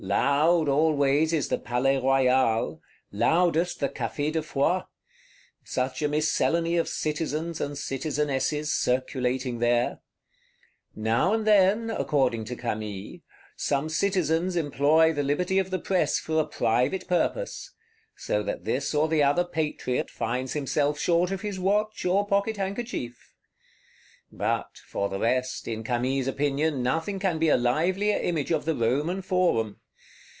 Loud always is the Palais Royal, loudest the Café de Foy; such a miscellany of Citizens and Citizenesses circulating there. "Now and then," according to Camille, "some Citizens employ the liberty of the press for a private purpose; so that this or the other Patriot finds himself short of his watch or pocket handkerchief!" But, for the rest, in Camille's opinion, nothing can be a livelier image of the Roman Forum.